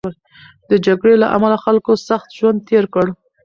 د جګړې له امله خلکو سخت ژوند تېر کړ.